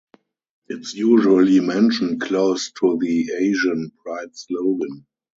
It's usually mentioned close to the Asian Pride slogan.